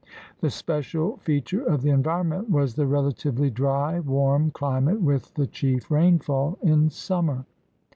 The special feature of the environment was the relatively dry, warm chmate with the chief rainfall in summer.